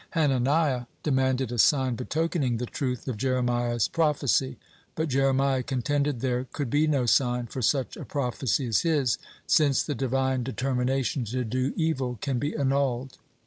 Hananiah demanded a sign betokening the truth of Jeremiah's prophecy. But Jeremiah contended there could be no sign for such a prophecy as his, since the Divine determination to do evil can be annulled.